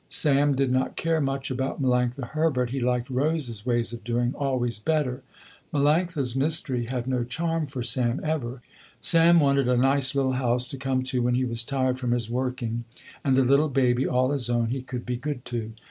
Sam did not care much about Melanctha Herbert. He liked Rose's ways of doing, always better. Melanctha's mystery had no charm for Sam ever. Sam wanted a nice little house to come to when he was tired from his working, and a little baby all his own he could be good to.